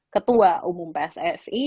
ketua umum pssi